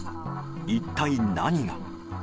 一体、何が。